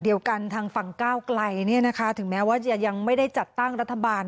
เดียวกันทางฝั่งก้าวไกลเนี่ยนะคะถึงแม้ว่ายังไม่ได้จัดตั้งรัฐบาล